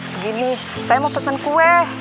begini saya mau pesen kue